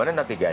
ini untuk apa